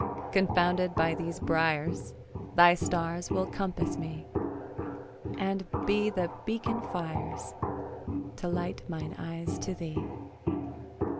Confounded by these briars, Thy stars will compass me And be the beacon fires To light mine eyes to thee.